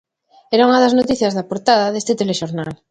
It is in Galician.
Era unha das noticias da portada deste telexornal.